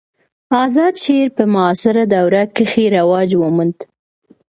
آزاد شعر په معاصره دوره کښي رواج وموند.